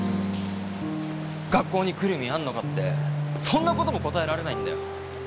学校に来る意味あんのかってそんなことも答えられないんだよ？